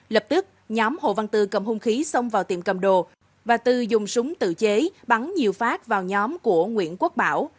lập tức nhóm hồ văn tư cầm hung khí xông vào tiệm cầm đồ và tư dùng súng tự chế bắn nhiều phát vào nhóm của nguyễn quốc bảo